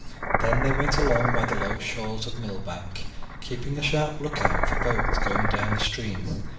Then they went along by the low shores of Millbank, keeping a sharp lookout for boats going down with the stream.